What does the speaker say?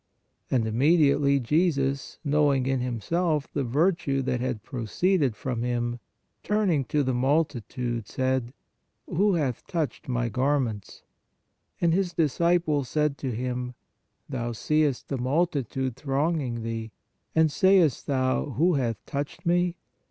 And immediately Jesus, know ing in Himself the virtue that had proceeded from Him, turning to the multitude, said: Who hath touched My garments? And His disciples said to Him : Thou seest the multitude thronging Thee, and sayest Thou, Who hath touched Me?